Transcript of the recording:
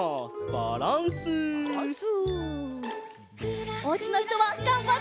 バランスバランス！